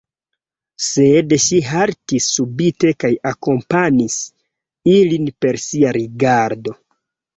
Sed ŝi haltis subite kaj akompanis ilin per sia rigardo.